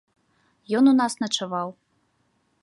Ён у нас начаваў.